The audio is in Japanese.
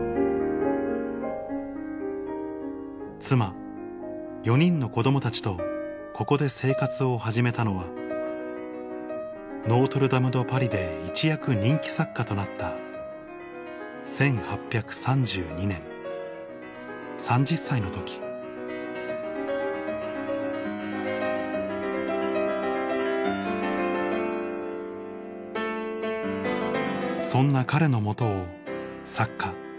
妻４人の子供たちとここで生活を始めたのは『ノートルダム・ド・パリ』で一躍人気作家となった１８３２年３０歳の時そんな彼の元を作家